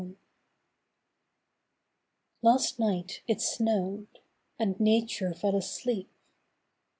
Last night it snowed; and Nature fell asleep.